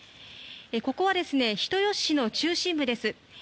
ここは人吉市の中心部です。